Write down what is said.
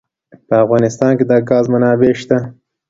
په افغانستان کې د ګاز منابع شته.